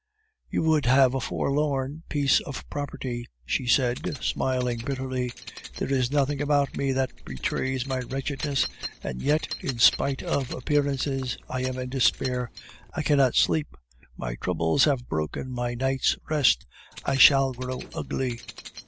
"You would have a forlorn piece of property," she said, smiling bitterly. "There is nothing about me that betrays my wretchedness; and yet, in spite of appearances, I am in despair. I cannot sleep; my troubles have broken my night's rest; I shall grow ugly."